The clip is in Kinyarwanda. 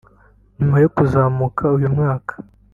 nyuma yo kuzamuka uyu mwaka